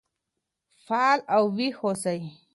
فعال او ويښ اوسئ.